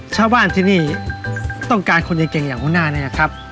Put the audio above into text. ชาวบ้านที่นี่ต้องการคนเก่งอย่างหัวหน้าเนี่ยนะครับ